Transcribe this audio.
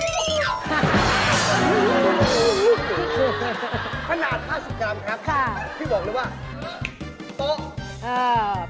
ขนาด๕๐กรัมครับพี่บอกเลยว่าโต๊ะ